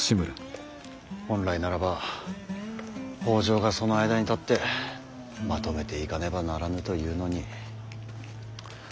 本来ならば北条がその間に立ってまとめていかねばならぬというのに。